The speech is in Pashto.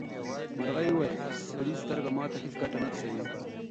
مرغۍ وویل چې د سړي سترګه ماته هیڅ ګټه نه رسوي.